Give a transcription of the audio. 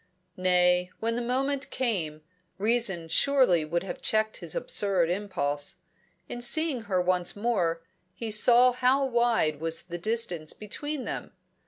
Nay, when the moment came, reason surely would have checked his absurd impulse. In seeing her once more, he saw how wide was the distance between them.